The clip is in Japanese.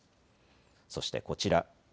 そしてこちら。